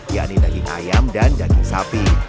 yakni daging ayam dan daging sapi